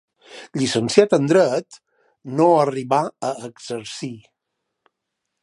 Llicenciat en Dret, no arribà a exercir.